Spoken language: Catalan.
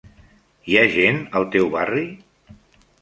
Hi ha gent al teu barri?